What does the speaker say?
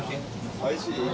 おいしい？